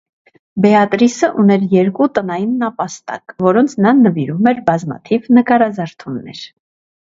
Բեատրիսը ուներ երկու տնային նապաստակ, որոնց նա նվիրում էր բազմաթիվ նկարազարդումներ։